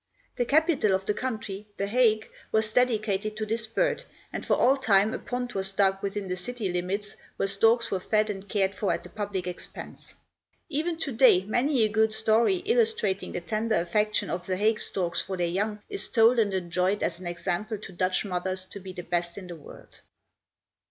The capital of the country, The Hague, was dedicated to this bird, and, for all time, a pond was dug within the city limits, where storks were fed and cared for at the public expense. Even to day, many a good story, illustrating the tender affection of The Hague storks for their young, is told and enjoyed as an example to Dutch mothers to be the best in the world.